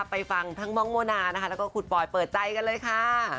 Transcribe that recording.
ไปฟังทั้งมองโมนาและก็คุณปลอยเปิดใจกันเลยค่ะ